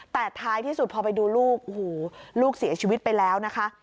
แต่ท้ายที่สุดพอไปดูลูกโอ้โหลูกเสียชีวิตไปแล้วนะคะ